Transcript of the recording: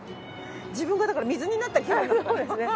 自分がだから水になった気分なんですね。